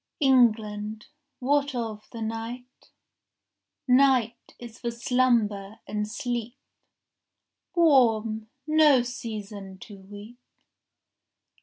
14 England, what of the night?— Night is for slumber and sleep, Warm, no season to weep.